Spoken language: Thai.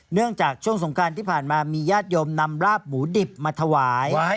เนื่องจากช่วงสงการที่ผ่านมามีญาติโยมนำราบหมูดิบมาถวาย